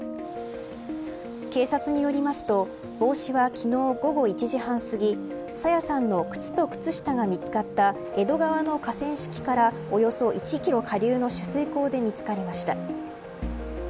警察によりますと帽子は昨日午後１時半すぎ朝芽さんの靴と靴下が見つかった江戸川の河川敷からおよそ１キロ下流の取水口で見つかりました。